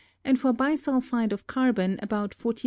and for bisulphide of carbon about 45° C.